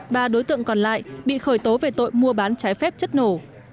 ba đối tượng còn lại bị khởi tố về tội mua bán trái phép chất nổ